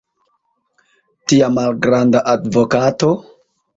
tia malgranda advokato?